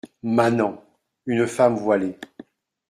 Manants. une femme voilée.